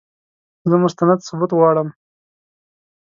زه مستند ثبوت غواړم !